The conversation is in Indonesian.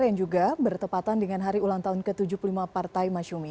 yang juga bertepatan dengan hari ulang tahun ke tujuh puluh lima partai masyumi